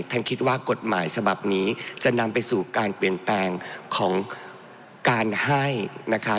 ท่านคิดว่ากฎหมายฉบับนี้จะนำไปสู่การเปลี่ยนแปลงของการให้นะคะ